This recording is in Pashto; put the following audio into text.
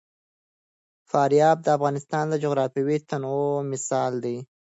فاریاب د افغانستان د جغرافیوي تنوع مثال دی.